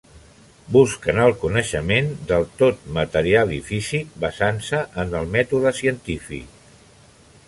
Busquen el coneixement del tot material i físic basant-se en el mètode científic.